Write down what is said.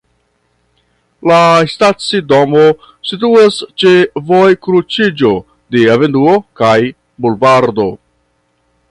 La stacidomo situas ĉe vojkruciĝo de avenuo kaj bulvardo.